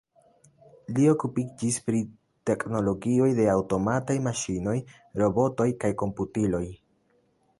Li okupiĝis pri teknologioj de aŭtomataj maŝinoj, robotoj kaj komputiloj.